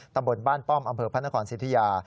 ตำบลบ้านป้อมอำเภอพระนครสิทธิยา